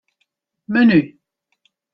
Menu.